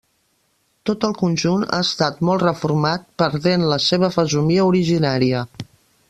Tot el conjunt ha estat molt reformat, perdent la seva fesomia originària.